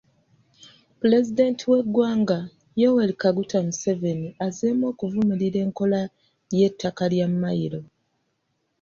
Pulezidenti w’eggwanga, Yoweri Kaguta Museveni azzeemu okuvumirira enkola y’ettaka lya mayiro.